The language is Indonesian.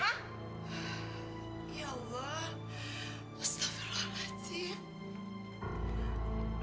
ya allah astaghfirullahaladzim